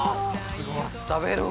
食べる！